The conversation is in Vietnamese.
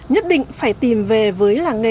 nhất định phải tìm về với làng nghề